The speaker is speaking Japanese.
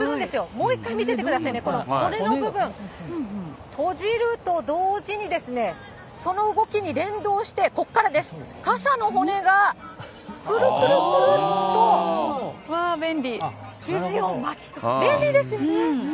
もう１回見ててくださいね、この骨の部分、閉じると同時に、その動きに連動して、ここからです、傘の骨がくるくるくるっと生地を巻き込んで、便利ですよね。